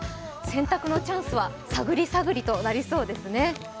洗濯のチャンスは探り探りとなりそうですね。